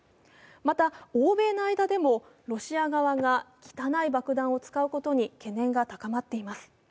また、欧米の間でもロシア側が汚い爆弾を使うことに懸念が高まっています。